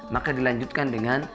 maka dilanjutkan dengan